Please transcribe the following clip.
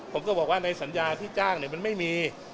ผมก็บอกว่าในสัญญาที่จ้างมันไม่มี